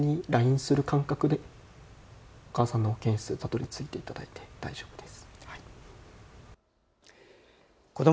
友達にＬＩＮＥする感覚でお母さんの保健室たどり着いていただいて大丈夫です。